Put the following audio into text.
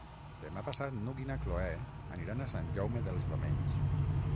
Demà passat n'Hug i na Cloè aniran a Sant Jaume dels Domenys.